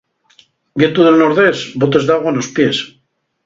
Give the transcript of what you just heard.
Vientu del nordés, botes d'agua nos pies.